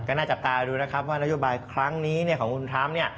น่าจับตาดูนะครับว่านโยบายครั้งนี้ของคุณทรัมป์เนี่ย